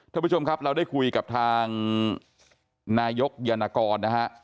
ท่านผู้ชมครับเราได้คุยกับทางนายกยานกรนะฮะ